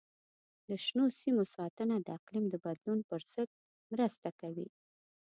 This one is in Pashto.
د شنو سیمو ساتنه د اقلیم د بدلون پر ضد مرسته کوي.